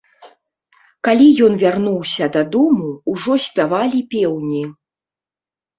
Калі ён вярнуўся дадому, ужо спявалі пеўні.